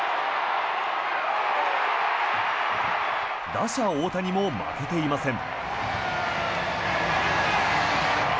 打者・大谷も負けていません。